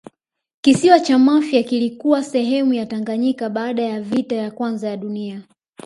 kisiwa cha mafia kilikuwa sehemu ya tanganyika baada ya vita ya kwanza ya dunia